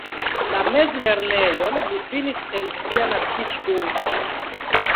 La mezlernejon li finis en sia naskiĝurbo.